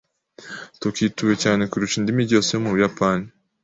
Tokiyo ituwe cyane kurusha indi mijyi yose yo mu Buyapani.